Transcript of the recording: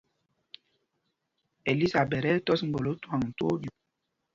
Elisaɓɛt ɛ́ ɛ́ tɔ́s mgbolǒ cwâŋ twóó ɗyûk.